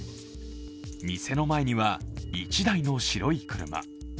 店の前には１台の白い車。